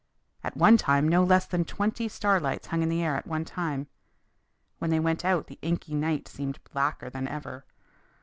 At one time no less than twenty starlights hung in the air at one time. When they went out the inky night seemed blacker than ever.